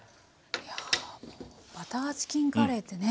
バターチキンカレーってね